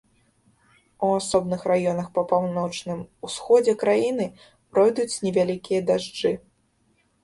У асобных раёнах па паўночным усходзе краіны пройдуць невялікія дажджы.